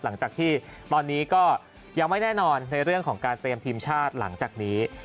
หลังจากที่ตอนนี้ก็ยังไม่แน่นอนในเรื่องของการเตรียมทีมชาติหลังจากนี้